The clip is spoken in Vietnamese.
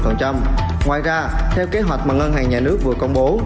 ngoài ra theo kế hoạch mà ngân hàng nhà nước vừa công bố